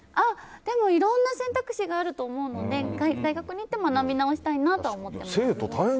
いろんな選択肢があるとは思うので大学に行って学び直したいなとは思ってます。